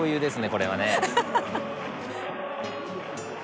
これはね。